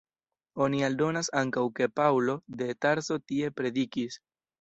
Oni aldonas ankaŭ ke Paŭlo de Tarso tie predikis.